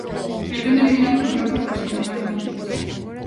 Pretende eliminar burocracia pero sen eliminar garantías.